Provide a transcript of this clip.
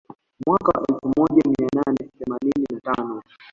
Mwaka wa elfu moja mia nane themanini na tano